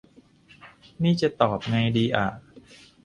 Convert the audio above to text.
นี่จะตอบไงดีอะ